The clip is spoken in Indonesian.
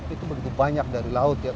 itu begitu banyak dari laut ya